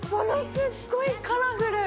すっごいカラフル。